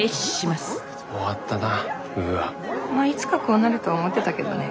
まあいつかこうなるとは思ってたけどね。